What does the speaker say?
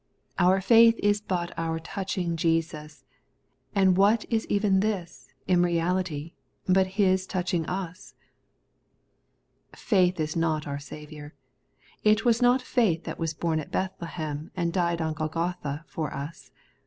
Our fiedth is bat (na touching Jesus ; and what is even this, in reality, but His tauehing us f Faith is not oar savioor. It was not faith that was bom at Bethlehem and died on Golgotha for us.